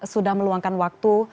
sudah meluangkan waktu